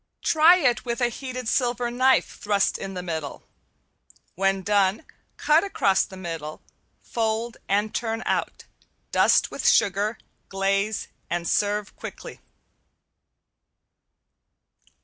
Try it with a heated silver knife thrust in the middle. When done, cut across the middle, fold and turn out, dust with sugar, glaze and serve quickly.